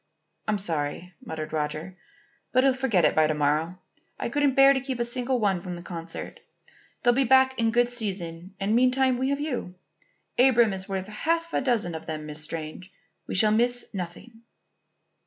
"I'm sorry," muttered Roger. "But he'll forget it by to morrow. I couldn't bear to keep a single one from the concert. They'll be back in good season and meantime we have you. Abram is worth half a dozen of them, Miss Strange. We shall miss nothing."